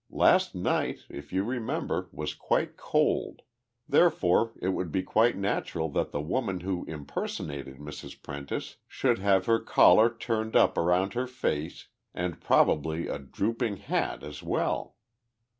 Last night, if you remember, was quite cold. Therefore it would be quite natural that the woman who impersonated Mrs. Prentice should have her collar turned up around her face and probably a drooping hat as well.